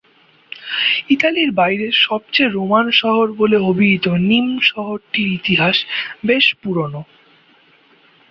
ইতালির বাইরে সবচেয়ে রোমান শহর বলে অভিহিত নিম শহরটির ইতিহাস বেশ পুরনো।